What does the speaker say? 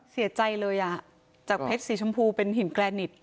เสียใจเลยอ่ะจากเพชรสีชมพูเป็นหินแกรนิต